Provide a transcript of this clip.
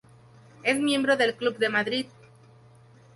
Es miembro del Club de Madrid.